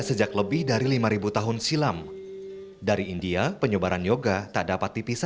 sejak lebih dari lima tahun silam dari india penyebaran yoga tak dapat dipisah